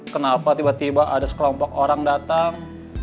kenapa tiba tiba ada sekelompok orang datang